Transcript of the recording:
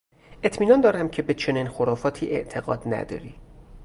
اطمینان دارم که به چنین خرافاتی اعتقاد نداری!